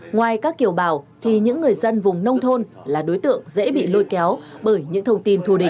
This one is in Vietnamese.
ngoài các kiểu bào thì những người dân vùng nông thôn là đối tượng dễ bị lôi kéo bởi những thông tin thù địch